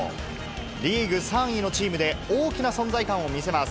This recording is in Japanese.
リーグ３位のチームで、大きな存在感を見せます。